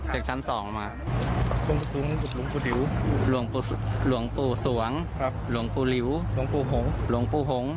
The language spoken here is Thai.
ในชั้น๒มาลงปุ่นหลวงปุริยุหลวงปุศวงครับหลวงปุริยุหลวงปุหงหลวงปุหง